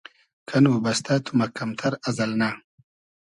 کئنو بئستۂ تو مئکئم تئر از النۂ